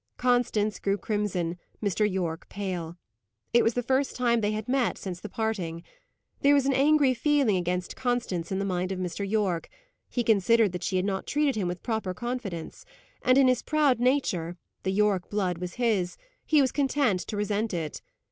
Constance grew crimson; Mr. Yorke pale. It was the first time they had met since the parting. There was an angry feeling against Constance in the mind of Mr. Yorke; he considered that she had not treated him with proper confidence; and in his proud nature the Yorke blood was his he was content to resent it.